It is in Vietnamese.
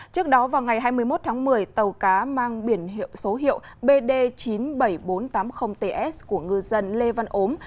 trước đó vào ngày hai mươi một tháng một mươi tàu cá mang biển hiệu số hiệu bd chín mươi bảy nghìn bốn trăm tám mươi ts của ngư dân lê văn ốm